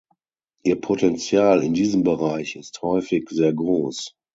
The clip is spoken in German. Ihr Potenzial in diesem Bereich ist häufig sehr groß.